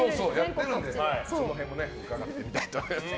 その辺も伺ってみたいと思います。